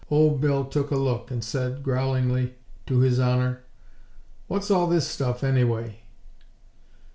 Old Bill took a look, and said, growlingly, to His Honor: "What's all this stuff, anyway?"